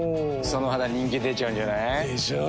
その肌人気出ちゃうんじゃない？でしょう。